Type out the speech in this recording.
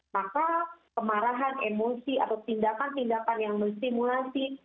maka kemarahan emosi atau tindakan tindakan yang menstimulasi